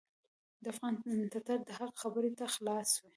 د افغان ټټر د حق خبرې ته خلاص وي.